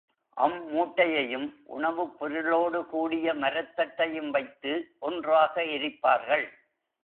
அம் மூட்டையையும், உணவுப் பொருளோடு கூடிய மரத் தட்டையும் வைத்து ஒன்றாக எரிப்பார்கள்.